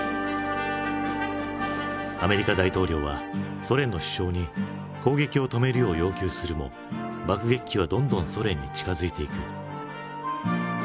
アメリカ大統領はソ連の首相に攻撃を止めるよう要求するも爆撃機はどんどんソ連に近づいていく。